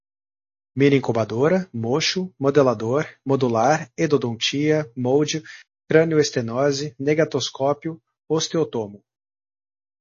mini incubadora, mocho, modelador, modular, endodontia, molde, cranioestenose, negatoscópio, osteotomo